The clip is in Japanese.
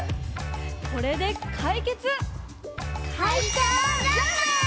これで解決。